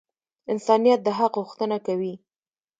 انسانیت د حق غوښتنه کوي.